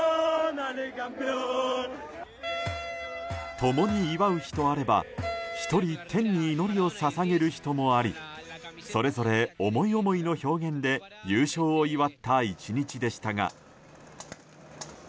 共に祝う人あれば１人、天に祈りを捧げる人もありそれぞれ、思い思いの表現で優勝を祝った１日でしたが。